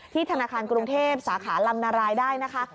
ธนาคารกรุงเทพสาขาลำนารายได้นะคะ